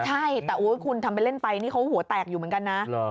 ใช่แต่คุณทำไปเล่นไปนี่เขาหัวแตกอยู่เหมือนกันนะ